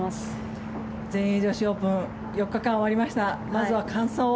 全英女子オープン４日間終わりました。